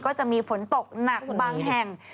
ก็จะมีฝนตกหนักบางแห่ง